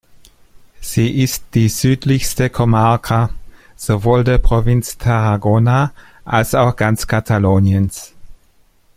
Sie ist die südlichste Comarca, sowohl der Provinz Tarragona als auch ganz Kataloniens.